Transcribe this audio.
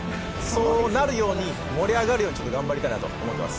そうなるように、盛り上がるように頑張りたいと思います。